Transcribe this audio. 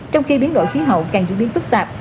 trong khi biến đổi khí hậu càng diễn biến phức tạp